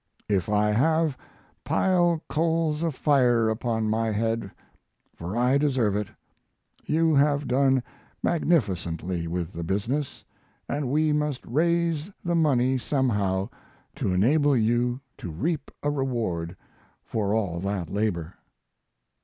If I have, pile coals of fire upon my head for I deserve it. You have done magnificently with the business, & we must raise the money somehow to enable you to reap a reward for all that labor.